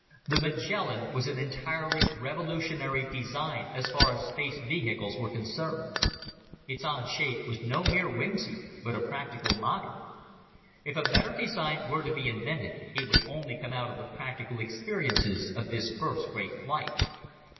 The Magellan was an entirely revolutionary design as far as space vehicles were concerned. Its odd shape was no mere whimsy, but a practical model. If a better design were to be invented, it would only come out of the practical experiences of this first great flight.